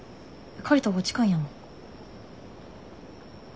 借りたほうが近いんやもん。